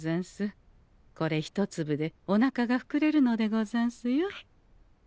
これ１粒でおなかがふくれるのでござんすよ。